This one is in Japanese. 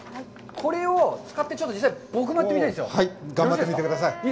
これを使って僕もやってみたいんですよ。頑張ってみてください。